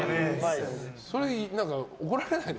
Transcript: それ、怒られないの？